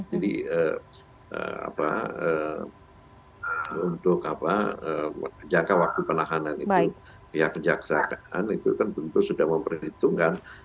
jadi untuk jangka waktu penahanan itu pihak kejaksaan itu tentu sudah memperhitungkan